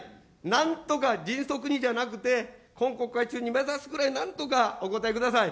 なんとか迅速にじゃなくて、今国会中に目指すぐらい、なんとかお答えください。